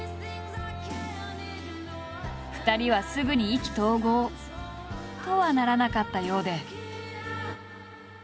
２人はすぐに意気投合！とはならなかったようで。